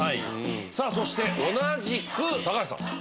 さあそして同じく高橋さん。